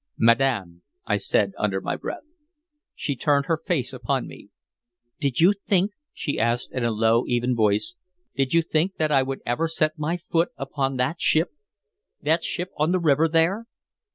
"Madam," I said under my breath. She turned her face upon me. "Did you think," she asked in a low, even voice, "did you think that I would ever set my foot upon that ship, that ship on the river there?